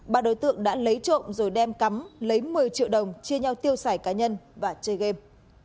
ba đối tượng đã lấy trộm rồi đem cắm lấy một mươi triệu đồng chia nhau tiêu xài cá nhân và chơi game